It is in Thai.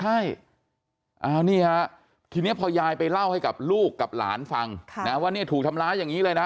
ใช่นี่ฮะทีนี้พอยายไปเล่าให้กับลูกกับหลานฟังนะว่าเนี่ยถูกทำร้ายอย่างนี้เลยนะ